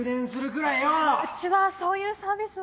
うちはそういうサービスは。